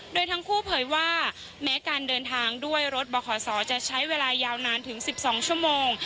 โดยทั้งคู่เผยว่าแม้การเดินทางด้วยรถบขศจะใช้เวลายาวนานถึง๑๒ชั่วโมง